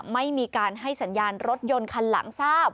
ไม่มีการให้สัญญาณรถยนต์คันหลังทราบ